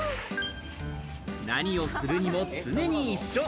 何をするにも常に一緒。